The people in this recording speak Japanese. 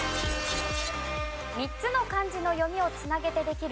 ３つの漢字の読みを繋げてできる